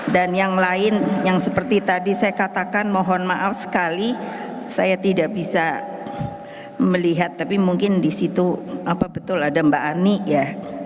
dan yang lain yang seperti tadi saya katakan mohon maaf sekali saya tidak bisa melihat tapi mungkin di situ betul ada mbak ani ya